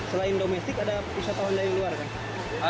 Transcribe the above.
selain domestik ada pusat awan dari luar kan